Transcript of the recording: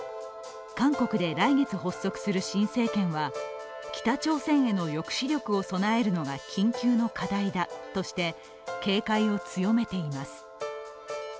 韓国で来月発足する新政権は北朝鮮への抑止力を備えるのが緊急の課題だとして警戒を強めています。